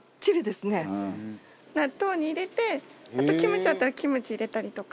納豆に入れてあとキムチあったらキムチ入れたりとか。